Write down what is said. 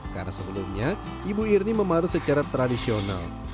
karena sebelumnya ibu irni memarut secara tradisional